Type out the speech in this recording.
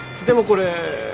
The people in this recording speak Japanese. でもこれ。